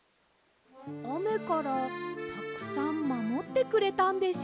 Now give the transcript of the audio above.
あめからたくさんまもってくれたんでしょうか？